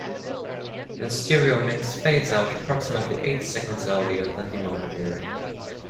The stereo mix fades out approximately eight seconds earlier than the mono version.